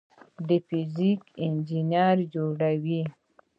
د فزیک انجینري جوړوي.